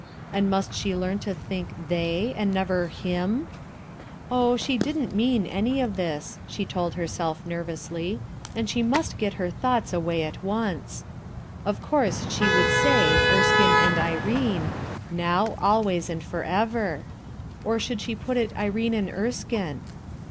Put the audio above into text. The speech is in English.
And must she learn to think "they" and never "him"? 120 RUTH ERSKIXE'S SON Oh, she didn't mean any of this, she told her self nervously, and she must get her thoughts away at onee Of course she would say "Er skine and Irene " now, always, and forever. Or should she put it. "Irene and Erskine"?